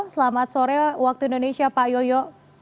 selamat sore waktu indonesia pak yoyo